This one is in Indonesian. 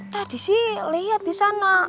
tadi sih lihat di sana